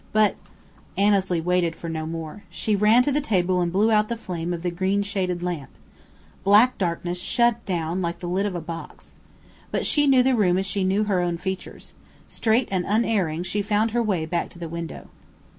But " Annesley waited for no more. She ran to the table and blew out the flame of the green shaded lamp. Black darkness shut down like the lid of a box. But she knew the room as she knew her own features. Straight and unerring, she found her way back to the window.